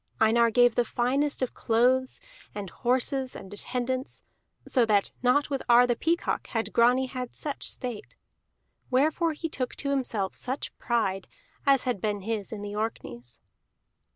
Einar gave the finest of clothes, and horses, and attendants, so that not with Ar the Peacock had Grani had such state. Wherefore he took to himself such pride as had been his in the Orkneys.